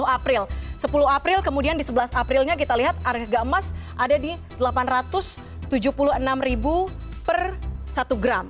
dua puluh april sepuluh april kemudian di sebelas aprilnya kita lihat harga emas ada di rp delapan ratus tujuh puluh enam per satu gram